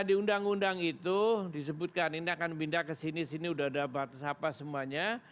nah di undang undang itu disebutkan ini akan pindah kesini sini udah ada apa semuanya